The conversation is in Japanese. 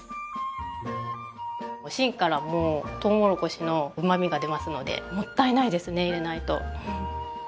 芯からもとうもろこしのうまみが出ますのでもったいないですね入れないと。